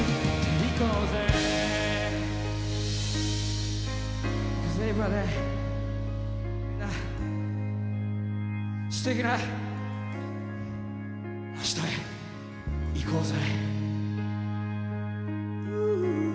みんなすてきなあしたへ行こうぜ。